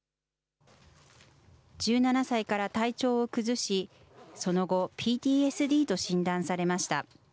１７歳から体調を崩し、その後、ＰＴＳＤと診断されました。